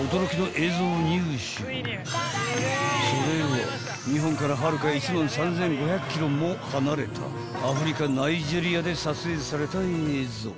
［それは日本からはるか１万３，５００ｋｍも離れたアフリカナイジェリアで撮影された映像］